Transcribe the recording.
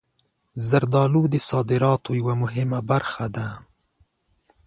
زردالو د صادراتو یوه مهمه برخه ده.